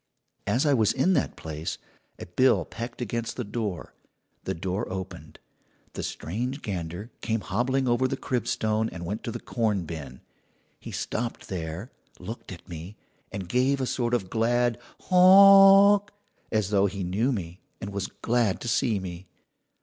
"As I was in that place, a bill pecked against the door. The door opened. The strange gander came hobbling over the crib stone and went to the corn bin. He stopped there, looked at me, and gave a sort of glad 'Honk' as though he knew me and was glad to see me.